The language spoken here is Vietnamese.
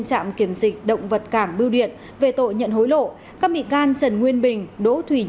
trên toàn địa bàn huyện phú thiện